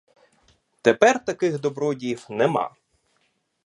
Тепер таких добродіїв нема.